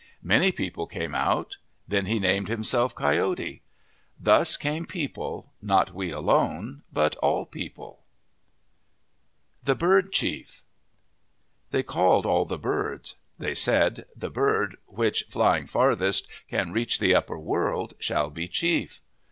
Many people came out. Then he named himself Coyote. Thus came people, not we alone, but all people. 86 OF THE PACIFIC NORTHWEST THE BIRD CHIEF THEY called all the birds. They said, The bird which, flying farthest, can reach the upper world, shall be chief."